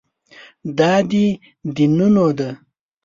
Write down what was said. دا د دینونو ده.